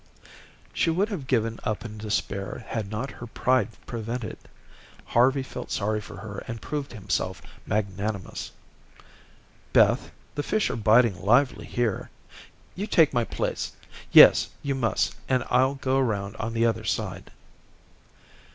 She would have given up in despair had not her pride prevented. Harvey felt sorry for her and proved himself magnanimous. "Beth, the fish are biting lively here. You take my place yes, you must, and I'll go around on the other side."